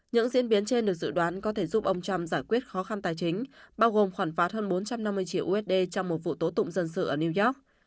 những diễn biến trên được dự đoán có thể giúp ông trump giải quyết khó khăn tài chính bao gồm khoản phạt hơn bốn trăm năm mươi triệu usd trong một vụ tố tụng dân sự ở new york